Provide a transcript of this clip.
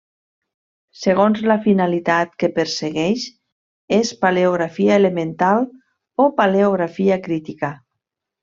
Segons la finalitat que persegueix és paleografia elemental o paleografia crítica.